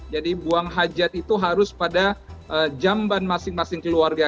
jadi buang hajat itu harus pada jamban masing masing keluarga